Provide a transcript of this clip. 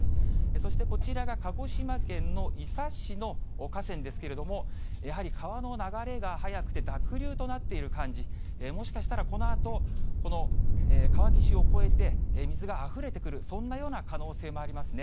そしてこちらが鹿児島県の伊佐市の河川ですけれども、やはり川の流れが速くて、濁流となっている感じ、もしかしたらこのあとこの川岸を越えて、水があふれてくる、そんなような可能性もありますね。